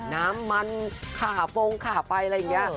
น้ำมันขาฟงขาไปอะไรอย่างนี้